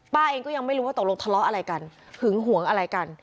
เองก็ยังไม่รู้ว่าตกลงทะเลาะอะไรกันหึงหวงอะไรกัน